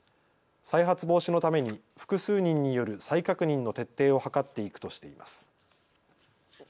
再発防止のために複数人による再確認の徹底を図っていくとしています。